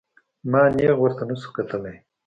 ما نېغ ورته نسو کتلى.